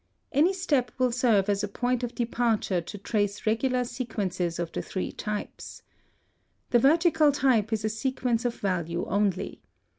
Any step will serve as a point of departure to trace regular sequences of the three types. The vertical type is a sequence of value only.